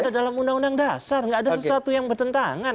ada dalam undang undang dasar nggak ada sesuatu yang bertentangan